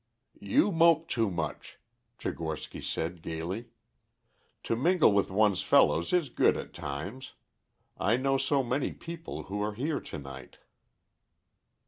"You mope too much," Tchigorsky said gaily. "To mingle with one's fellows is good at times. I know so many people who are here to night."